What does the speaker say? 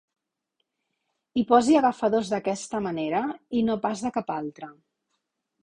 Hi posi agafadors d'aquesta manera i no pas de cap altra.